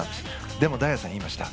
でも、大也さんは言いました。